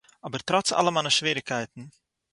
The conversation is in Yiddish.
אָבער טראָץ אַלע מיינע שוועריגקייטן